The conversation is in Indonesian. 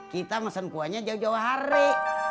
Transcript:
kita mesen kuahnya jauh jauh hari